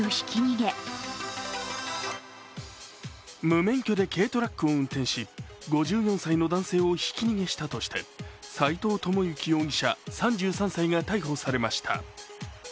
無免許で軽トラックを運転し、５４歳の男性をひき逃げしたとして斉藤友之容疑者３３歳が逮捕されました。